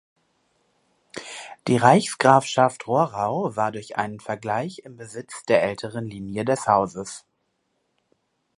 Die Reichsgrafschaft Rohrau war durch einen Vergleich im Besitz der älteren Linie des Hauses.